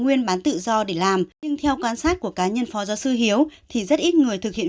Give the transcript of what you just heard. nguyên bán tự do để làm nhưng theo quan sát của cá nhân phó giáo sư hiếu thì rất ít người thực hiện